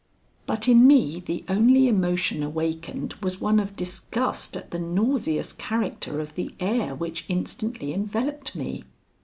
But in me the only emotion awakened was one of disgust at the nauseous character of the air which instantly enveloped me.